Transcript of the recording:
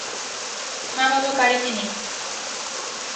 মা-বাবা বাড়িতে নেই।